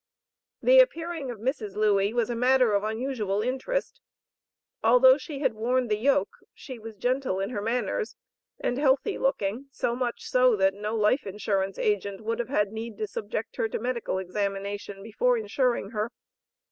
The appearing of Mrs. Lewey, was a matter of unusual interest. Although she had worn the yoke, she was gentle in her manners, and healthy looking, so much so that no life insurance agent would have had need to subject her to medical examination before insuring her.